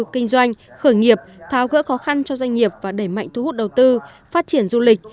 kinh doanh khởi nghiệp tháo gỡ khó khăn cho doanh nghiệp và đẩy mạnh thu hút đầu tư phát triển du lịch